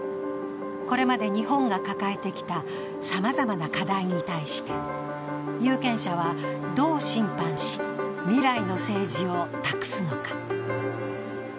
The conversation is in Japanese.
これまで日本が抱えてきたさまざまな課題に対して有権者はどう審判し未来の政治を託すのか。